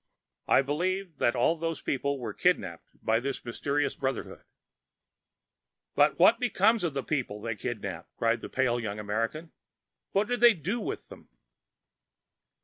I believe that all those people are kidnapped by this mysterious Brotherhood." "But what becomes of the people they kidnap?" cried the pale young American. "What do they do with them?"